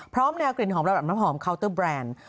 แนวกลิ่นหอมระดับน้ำหอมเคาน์เตอร์แบรนด์